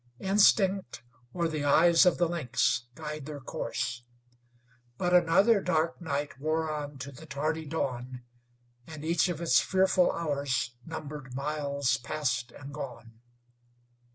Instinct, or the eyes of the lynx, guide their course. But another dark night wore on to the tardy dawn, and each of its fearful hours numbered miles past and gone.